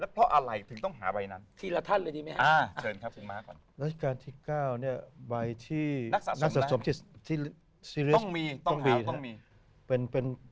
แล้วเพราะอะไรถึงต้องหาใบนั้น